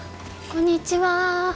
こんにちは。